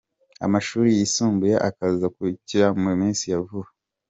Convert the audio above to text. Amashure yisumbuye akazokurikira mu misi ya vuba.